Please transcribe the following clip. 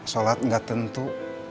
sholat gak tentu